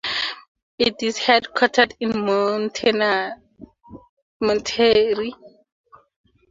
It is headquartered in Monterrey.